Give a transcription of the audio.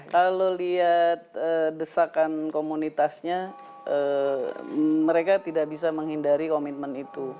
kalau lihat desakan komunitasnya mereka tidak bisa menghindari komitmen itu